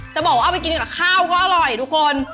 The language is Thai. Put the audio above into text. จะบอกว่าเอาไปกินกับข้าวก็อร่อยทุกคน